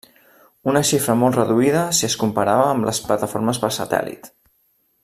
Una xifra molt reduïda si es comparava amb les plataformes per satèl·lit.